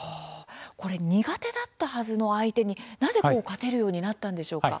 苦手だったはずの相手になぜ勝てるようになったのでしょうか。